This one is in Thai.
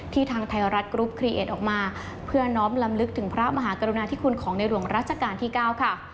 ทางไทยรัฐกรุ๊ปคลีเอสออกมาเพื่อน้อมลำลึกถึงพระมหากรุณาธิคุณของในหลวงรัชกาลที่๙ค่ะ